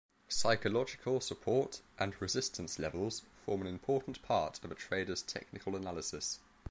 Psychological Support and Resistance levels form an important part of a trader's technical analysis.